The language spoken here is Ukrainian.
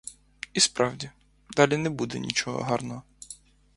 І справді, далі не було нічого гарного.